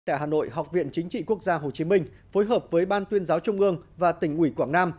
tại hà nội học viện chính trị quốc gia hồ chí minh phối hợp với ban tuyên giáo trung ương và tỉnh ủy quảng nam